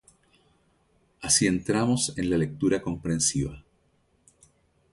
Así entramos en la lectura comprensiva.